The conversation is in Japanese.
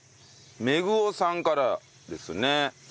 めぐおさんからですね。